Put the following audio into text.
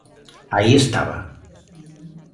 Aí estaba.